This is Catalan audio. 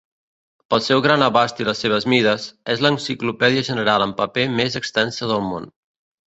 Pel seu gran abast i les seves mides, és l'enciclopèdia general en paper més extensa del món.